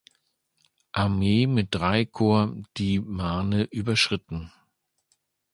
Armee mit drei Korps die Marne überschritten.